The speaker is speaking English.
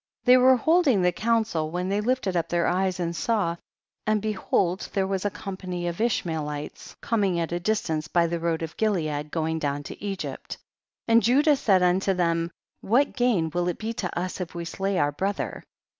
2. They were holding the coun sel, when they lifted up their eyes, and saw, and behold there was a company of Ishmaelites coming at a distance by the road of Gilead, going down to Egypt. 3. And Judah said unto them, what gain will it be to us if we slay our brother